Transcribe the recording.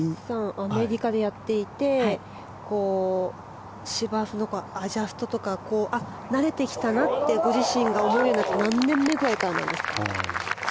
アメリカでやっていて芝生とかアジャストとか慣れてきたなってご自身が思うようになったのは何年目ぐらいからなんですか？